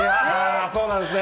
そうなんですね。